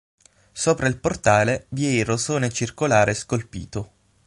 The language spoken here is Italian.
Sopra il portale vi è il rosone circolare scolpito.